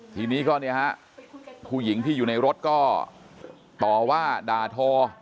ทีนี้ก็เนี่ยฮะผู้หญิงที่อยู่ในรถก็ต่อว่าด่าทอ